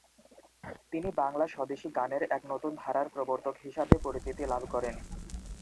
তিনি বাংলা স্বদেশী গানের এক নতুন ধারার প্রবর্তক হিসাবে পরিচিতি লাভ করেন।